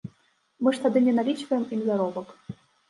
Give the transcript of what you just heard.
Мы ж тады не налічваем ім заробак.